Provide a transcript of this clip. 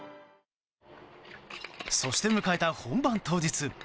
そして迎えた本番当日。